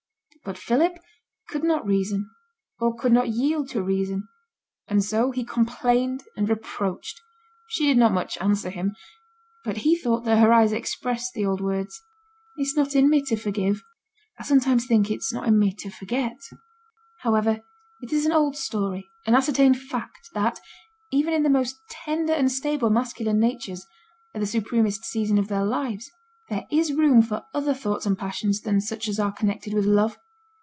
But Philip could not reason, or could not yield to reason; and so he complained and reproached. She did not much answer him; but he thought that her eyes expressed the old words, 'It's not in me to forgive; I sometimes think it's not in me to forget.' However, it is an old story, an ascertained fact, that, even in the most tender and stable masculine natures, at the supremest season of their lives, there is room for other thoughts and passions than such as are connected with love.